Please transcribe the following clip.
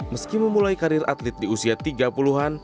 meski memulai karir atlet di usia tiga puluh an